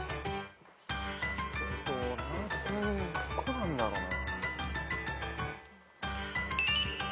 どこなんだろうな。